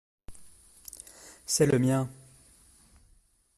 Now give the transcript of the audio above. C’est le mien.